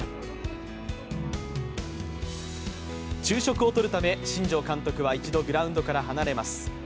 昼食をとるため、新庄監督は一度、グラウンドから離れます。